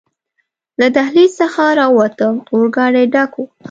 له دهلېز څخه راووتو، اورګاډی ډک و.